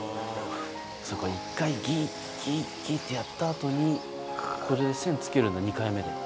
そうか一回ギッギッギッてやった後にこれで線つけるんだ２回目で。